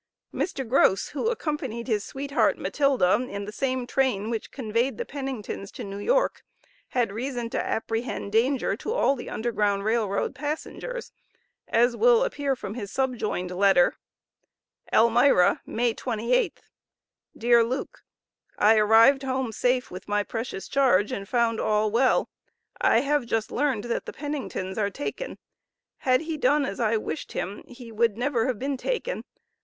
Mr. Groce, who accompanied his "sweet heart," Matilda, in the same train which conveyed the Penningtons to New York, had reason to apprehend danger to all the Underground Rail Road passengers, as will appear from his subjoined letter: ELMIRA, May 28th. DEAR LUKE: I arrived home safe with my precious charge, and found all well. I have just learned, that the Penningtons are taken. Had he done as I wished him he would never have been taken.